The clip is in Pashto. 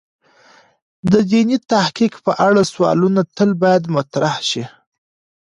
د دیني تحقیق په اړه سوالونه تل باید مطرح شی.